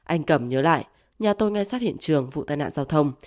anh cẩm nhớ lại nhà tôi ngay sát hiện trường vụ tai nạn giao thông